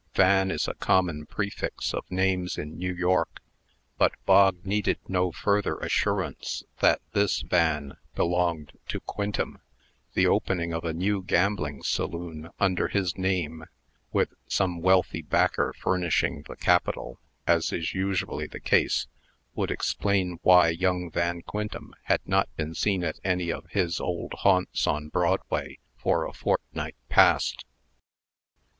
Van is a common prefix of names in New York; but Bog needed no further assurance that this Van belonged to Quintem. The opening of a new gambling saloon under his name (with some wealthy backer furnishing the capital, as is usually the case) would explain why young Van Quintem had not been seen at any of his old haunts on Broadway for a fortnight past.